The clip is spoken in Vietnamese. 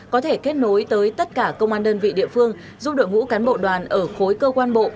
có thể kết nối tới tất cả công an đơn vị địa phương giúp đội ngũ cán bộ đoàn ở khối cơ quan bộ